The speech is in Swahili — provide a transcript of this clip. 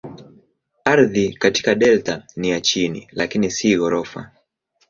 Ardhi katika delta ni ya chini lakini si ghorofa.